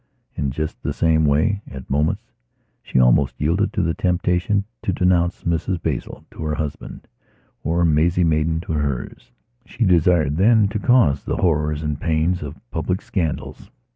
In just the same way, at moments, she almost yielded to the temptation to denounce Mrs Basil to her husband or Maisie Maidan to hers. She desired then to cause the horrors and pains of public scandals.